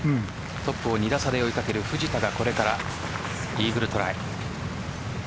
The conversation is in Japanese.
トップを２打差で追い掛ける藤田がこれからイーグルトライ。